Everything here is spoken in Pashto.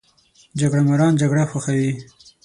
جګړه ماران جګړه خوښوي